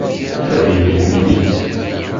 Fadil iḥemmel-itt.